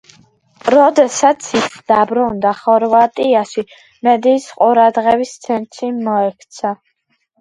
როდესაც ის დაბრუნდა ხორვატიაში მედიის ყურადღების ცენტრში მოექცა.